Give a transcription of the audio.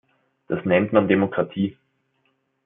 Das nennt man Demokratie.